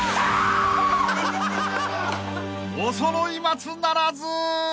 ［おそろい松ならず！］